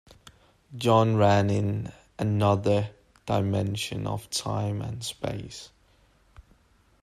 John ran in another dimension of time and space.